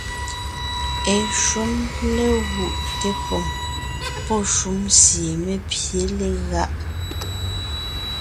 Eshúm légúʼ té poŋ pɔ́ shúm sie mé pye legáʼ.